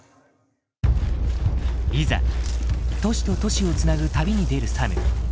いざ都市と都市を繋ぐ旅に出るサム。